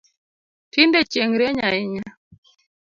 Tinde chieng rieny ahinya